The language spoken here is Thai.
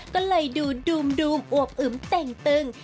ก็เลยดูดูมอวบอึมเต่งตึง